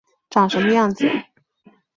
长什么样子